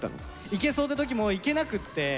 行けそうって時も行けなくって。